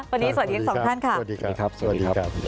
วันนี้สวัสดีกันสองท่านค่ะสวัสดีครับสวัสดีครับสวัสดีครับ